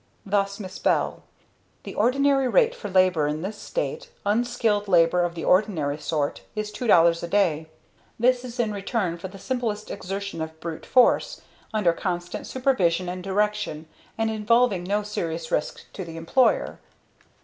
Thus Miss Bell; "The ordinary rate for labor in this state, unskilled labor of the ordinary sort, is $2.00 a day. This is in return for the simplest exertion of brute force, under constant supervision and direction, and involving no serious risk to the employer."